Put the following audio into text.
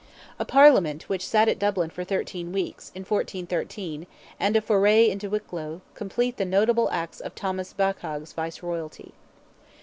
A Parliament which sat at Dublin for thirteen weeks, in 1413, and a foray into Wicklow, complete the notable acts of Thomas Baccagh's viceroyalty.